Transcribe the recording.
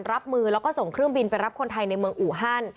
รับมือแล้วก็ส่งเครื่องบินไปรับคนไทยในเมืองอูฮัน